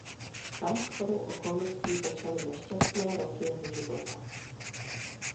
Tam shodou okolností začaly nešťastné roky jeho života.